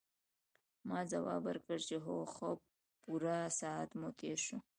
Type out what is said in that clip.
ما ځواب ورکړ چې هو ښه پوره ساعت مو تېر شو.